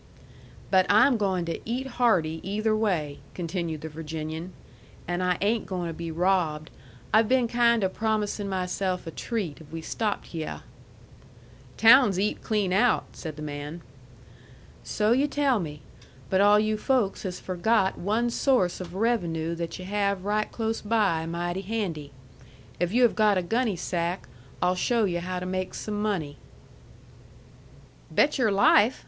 "But I'm goin' to eat hearty either way," continued the Virginian. "And I ain' goin' to be robbed. I've been kind o' promisin' myself a treat if we stopped hyeh." "Town's eat clean out," said the man. "So yu' tell me. But all you folks has forgot one source of revenue that yu' have right close by, mighty handy. If you have got a gunny sack, I'll show you how to make some money." "Bet your life!"